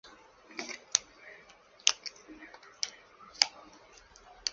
难道会是鬼拿走了吗